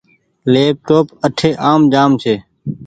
ليپ ٽوپ اٺي آم جآ م ڇي۔